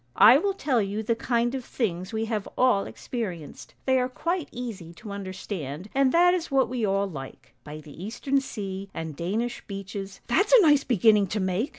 I will tell you the kind of things we have all experienced; they are quite easy to understand, and that is what we all like: By the eastern sea and Danish beeches —' "'That's a nice beginning to make!'